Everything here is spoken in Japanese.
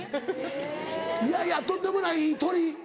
いやいやとんでもないトリ。